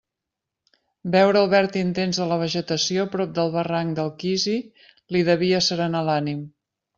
Veure el verd intens de la vegetació prop del barranc del Quisi li devia asserenar l'ànim.